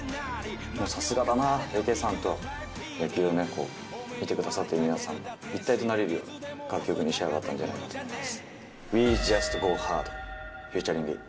さすがだな、ＡＫさんと、野球を見てくださってる皆さんと一体となれるような楽曲に仕上がったんじゃないかなと思います。